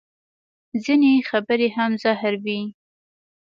ځینې خبرې هم زهر وي